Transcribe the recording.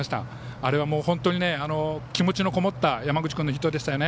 あれは気持ちのこもった山口君のヒットでした。